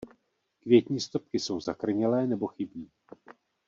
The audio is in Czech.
Květní stopky jsou zakrnělé nebo chybí.